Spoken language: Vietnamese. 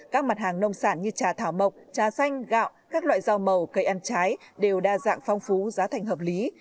các mặt hàng nông sản như trà thảo mộc trà xanh gạo các loại rau màu cây ăn trái đều đa dạng phong phú giá thành hợp lý